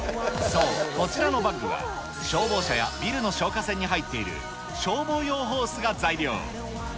そう、こちらのバッグは、消防車やビルの消火栓に入っている消防用ホースが材料。